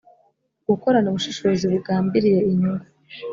gukorana ubushishozi bugambiriye inyungu